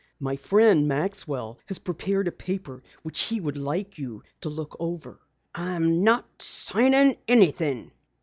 "My friend, Maxwell, has prepared a paper which he would like to have you look over." "I'm not signin' anything!"